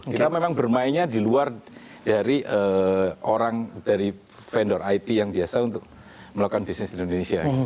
kita memang bermainnya di luar dari orang dari vendor it yang biasa untuk melakukan bisnis di indonesia